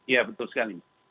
ya betul sekali